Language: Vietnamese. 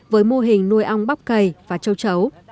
với mô hình nuôi ong bắp cầy và trâu trấu